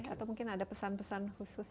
atau mungkin ada pesan pesan khusus